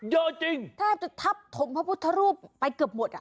เยอะจริงแทบจะทับถมพระพุทธรูปไปเกือบหมดอ่ะ